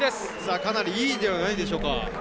かなりいいのではないでしょうか。